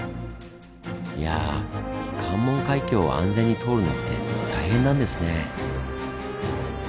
いや関門海峡を安全に通るのって大変なんですねぇ。